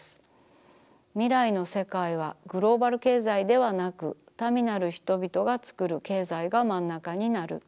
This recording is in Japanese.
みらいの世界はグローバル経済ではなく民なる人びとがつくる経済がまんなかになる。